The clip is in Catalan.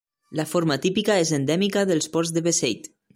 La forma típica és endèmica dels Ports de Beseit.